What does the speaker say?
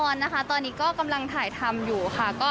อนนะคะตอนนี้ก็กำลังถ่ายทำอยู่ค่ะ